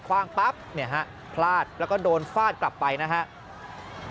คว่างป๊ะแผลจแล้วก็โดนฟาดกลับไปนะครับ